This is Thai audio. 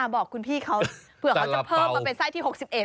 บอกคุณพี่เขาเผื่อเขาจะเพิ่มมาเป็นไส้ที่๖๑